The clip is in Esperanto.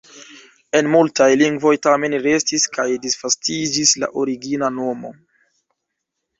En multaj lingvoj tamen restis kaj disvastiĝis la origina nomo.